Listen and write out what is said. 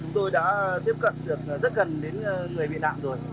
tôi đã tiếp cận được rất gần đến người bị nạn rồi